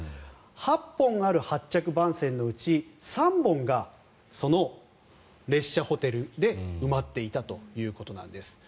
８本ある発着番線のうち３本がその列車ホテルで埋まっていたということです。